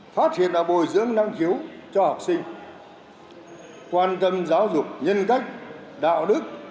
phát hiện và bồi dưỡng năng khiếu cho học sinh quan tâm giáo dục nhân cách đạo đức